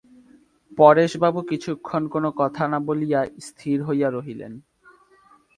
পরেশবাবু কিছুক্ষণ কোনো কথা না বলিয়া স্থির হইয়া রহিলেন।